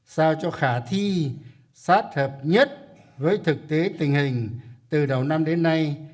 sao cho khả thi sát hợp nhất với thực tế tình hình từ đầu năm đến nay